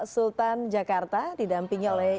sultan jakarta didampingi oleh